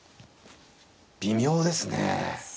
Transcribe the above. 微妙ですね。